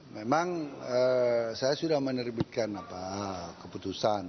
memang saya sudah menerbitkan keputusan